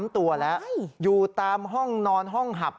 ๓ตัวแล้วอยู่ตามห้องนอนห้องหับ